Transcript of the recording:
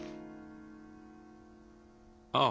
あ。